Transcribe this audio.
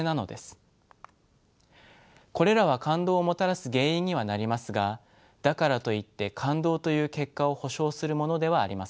これらは感動をもたらす原因にはなりますがだからといって感動という結果を保証するものではありません。